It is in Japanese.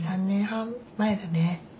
３年半前だね。